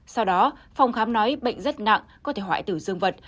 sau đó phòng khám nói bệnh rất nặng có thể hoại tử dương vật